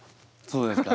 そうですか。